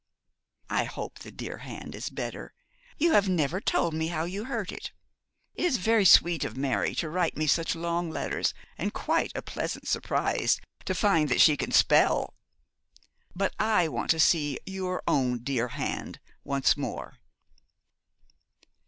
'I hope the dear hand is better. You have never told me how you hurt it. It is very sweet of Mary to write me such long letters, and quite a pleasant surprise to find she can spell; but I want to see your own dear hand once more.'